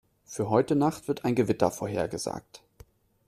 Für heute Nacht wird ein Gewitter vorhergesagt.